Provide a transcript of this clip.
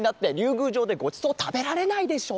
ぐうじょうでごちそうたべられないでしょ？